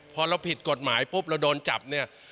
พอเราผิดกฎหมายปุ๊บเราโดนจับเนี่ย